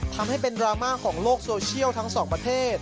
ทำให้เป็นดราม่าของโลกโซเชียลทั้งสองประเทศ